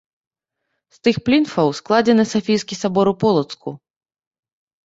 З тых плінфаў складзены Сафійскі сабор ў Полацку.